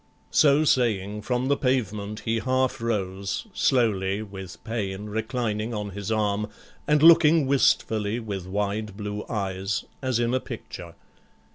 So saying, from the pavement he half rose, Slowly, with pain, reclining on his arm, And looking wistfully with wide blue eyes As in a picture.